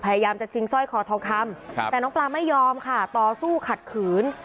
พยายามจะชิงสร้อยคอทองคำแต่น้องปลาไม่ยอมค่ะต่อสู้ขัดขืน